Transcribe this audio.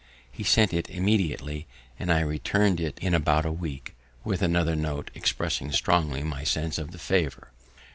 He sent it immediately, and I return'd it in about a week with another note, expressing strongly my sense of the favour.